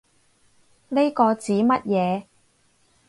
呢個指乜嘢